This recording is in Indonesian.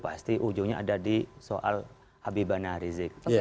pasti ujungnya ada di soal habibana rizik